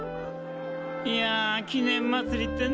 いやあ記念まつりってね